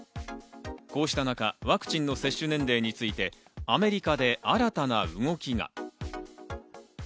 こうした中、ワクチンの接種年齢についてアメリカで新たな動きが。